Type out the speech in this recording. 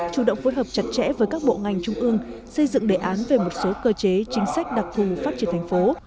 chủ động phối hợp chặt chẽ với các bộ ngành trung ương xây dựng đề án về một số cơ chế chính sách đặc thù phát triển thành phố